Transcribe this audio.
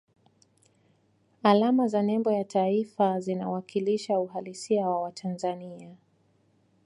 alama za nembo ya taifa zinawakilisha uhalisia wa watanzania